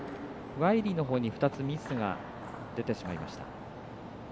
ワイリーのほうに２つミスが出てしまいました。